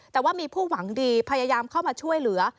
แต่ว่ามีผู้หวังดีพยายามเข้ามาช่วยเหลือ